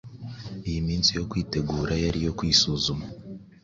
Iyi minsi yo kwitegura yari iyo kwisuzuma.